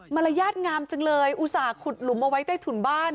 รยาทงามจังเลยอุตส่าห์ขุดหลุมเอาไว้ใต้ถุนบ้าน